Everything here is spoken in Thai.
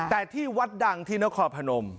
แต่ที่วัดดังที่นครพนม